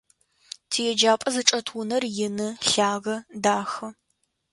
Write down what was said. Тиеджапӏэ зычӏэт унэр ины, лъагэ, дахэ.